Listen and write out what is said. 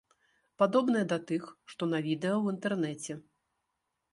Падобныя да тых, што на відэа ў інтэрнэце.